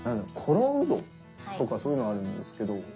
「ころうどん」とかそういうのあるんですけど。